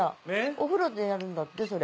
お風呂でやるんだってそれ。